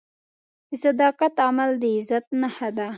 د صداقت عمل د عزت نښه ده.